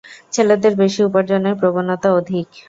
ছেলেদের বেশি উপার্জনের প্রবণতা অধিক।